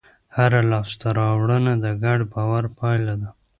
هره لاستهراوړنه د ګډ باور پایله ده.